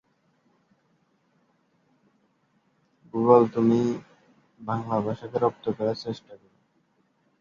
প্রজাতিটির ইংরেজি নামের জন্য এই মুখোশ অনেকাংশে দায়ী।